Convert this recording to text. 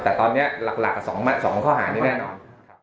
แต่ตอนนี้หลัก๒ข้อหานี้แน่นอน